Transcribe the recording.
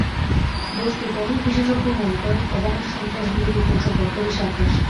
বস্তুত অনেক বিশেষজ্ঞ মনে করেন, ওবামার সন্ত্রাসবাদবিরোধী কৌশল বড্ড বেশি আগ্রাসী।